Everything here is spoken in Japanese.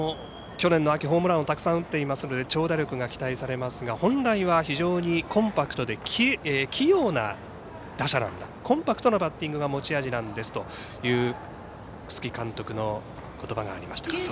去年の秋、ホームランをたくさん打っていますので長打力が期待されますが本来は、非常にコンパクトなバッティングが持ち味なんですという楠城監督のことばがありました。